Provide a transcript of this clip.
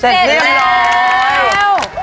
เสร็จเรียบร้อย